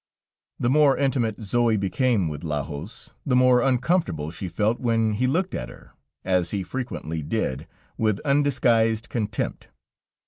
The more intimate Zoë became with Lajos, the more uncomfortable she felt when he looked at her, as he frequently did, with undisguised contempt.